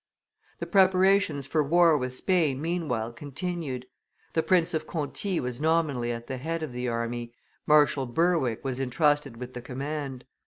The preparations for war with Spain meanwhile continued; the Prince of Conti was nominally at the head of the army, Marshal Berwick was intrusted with the command.